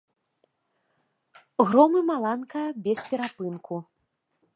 Гром і маланка бесперапынку.